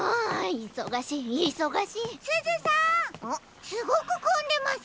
すごくこんでますね？